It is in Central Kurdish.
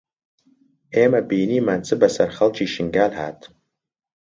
ئێمە بینیمان چ بەسەر خەڵکی شنگال هات